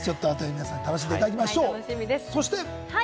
皆さん楽しんでいただきましょう。